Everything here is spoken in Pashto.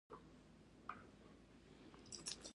ما د بې شمېره جملو بیاکتنه ترسره کړه.